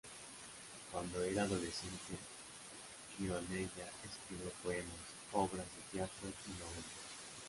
Cuando era adolescente, Gironella escribió poemas, obras de teatro y novelas.